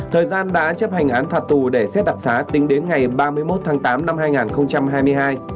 thời gian đã chấp hành án phạt tù để xét đặc xá tính đến ngày ba mươi một tháng tám năm hai nghìn hai mươi hai